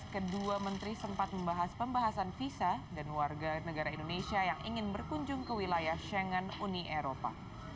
kedua menteri sempat membahas pembahasan visa dan warga negara indonesia yang ingin berkunjung ke wilayah shangen uni eropa